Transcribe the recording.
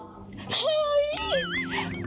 เฮ้ย